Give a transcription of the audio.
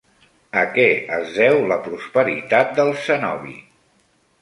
A què es deu la prosperitat del cenobi?